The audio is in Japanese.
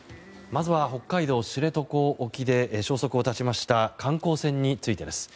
まずは、北海道・知床沖で消息を絶ちました観光船についてです。